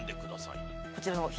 こちらの左。